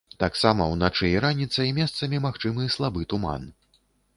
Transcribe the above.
Таксама ўначы і раніцай месцамі магчымы слабы туман.